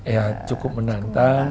ya cukup menantang